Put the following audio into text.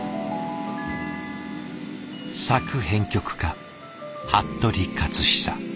作編曲家服部克久。